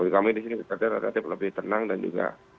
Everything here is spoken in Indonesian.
kami di sini sepertinya rata rata lebih tenang dan juga